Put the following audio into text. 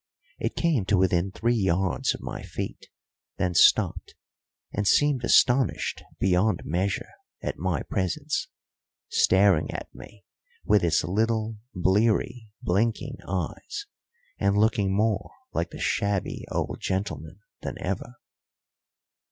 It came to within three yards of my feet, then stopped, and seemed astonished beyond measure at my presence, staring at me with its little, bleary, blinking eyes, and looking more like the shabby old gentleman than ever.